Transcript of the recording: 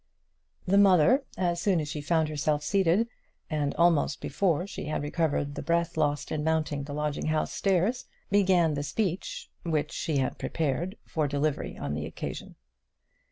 The mother, as soon as she found herself seated and almost before she had recovered the breath lost in mounting the lodging house stairs, began the speech which she had prepared for delivery on the occasion.